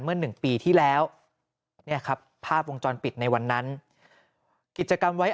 เมื่อ๑ปีที่แล้วภาพวงจรปิดในวันนั้นกิจกรรมไว้